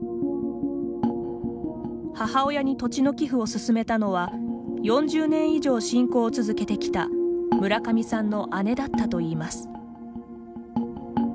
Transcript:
母親に土地の寄付を勧めたのは４０年以上信仰を続けてきた村上さんの姉だったといいます。